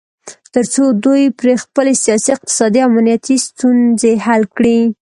تر څو دوی پرې خپلې سیاسي، اقتصادي او امنیتي ستونځې حل کړي